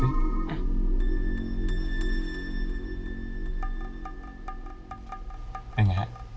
เป็นไงฮะ